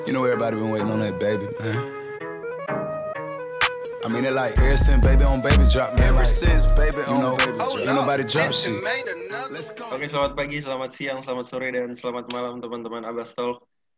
oke selamat pagi selamat siang selamat sore dan selamat malam teman teman abbastol